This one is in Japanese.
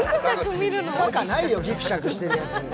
見たかないよ、ぎくしゃくしているやつ。